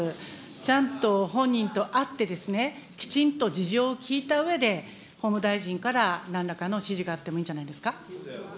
ちゃんと本人と会ってですね、きちんと事情を聞いたうえで、法務大臣からなんらかの指示があってもいいんじゃないですか。